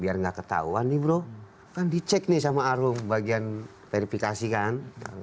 biar nggak ketahuan nih bro kan dicek nih sama arung bagian verifikasi kan